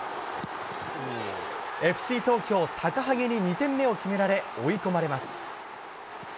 ＦＣ東京高萩に２点目を決められ追い込まれます。